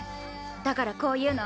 だからこう言うの。